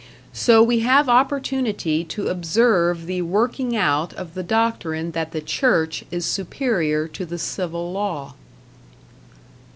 So we have opportunity to observe the working out of the doctrine that the Church is superior to the civil law.